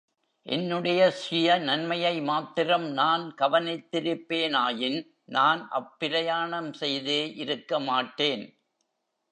என்னுடைய சுயநன்மையை மாத்திரம் நான் கவனித்திருப்பேனாயின், நான் அப்பிரயாணம் செய்தே இருக்க மாட்டேன்.